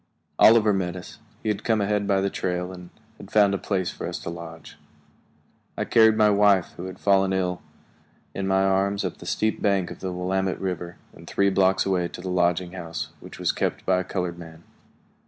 Oliver met us; he had come ahead by the trail and had found a place for us to lodge. I carried my wife, who had fallen ill, in my arms up the steep bank of the Willamette River and three blocks away to the lodging house, which was kept by a colored man.